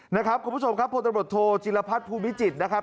นะครับคุณผู้ชมครับพลตำรวจโทจิลพัฒน์ภูมิจิตรนะครับ